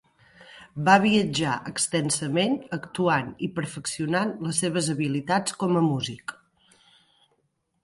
Va viatjar extensament actuant i perfeccionant les seves habilitats com a músic.